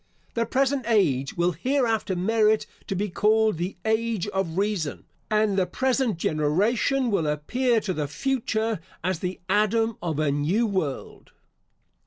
The present age will hereafter merit to be called the Age of Reason, and the present generation will appear to the future as the Adam of a new world.